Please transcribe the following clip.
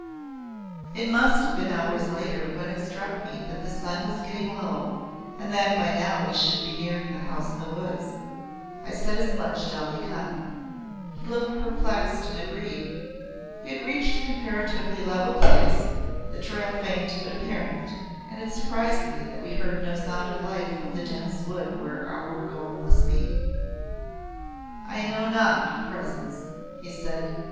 It must have been hours later when it struck me that the sun was getting low and that by now we should be nearing The House in the Woods. I said as much to Ali Khan. He looked perplexed and agreed. We had reached a comparatively level place, the trail faint but apparent, and it surprised me that we heard no sound of life from the dense wood where our goal must be. "I know not, Presence," he said.